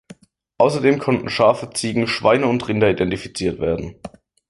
Außerdem konnten Schafe, Ziegen, Schweine und Rinder identifiziert werden.